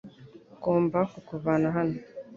Ngomba kukuvana hano .